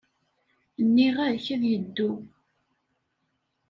Nniɣ-ak ad yeddu.